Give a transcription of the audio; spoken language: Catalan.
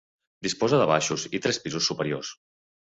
Disposa de baixos i tres pisos superiors.